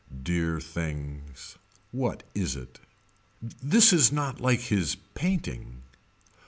Dear things. What is it. This is not like his painting.